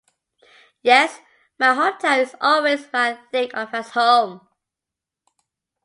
Yes, my hometown is always where I think of as home.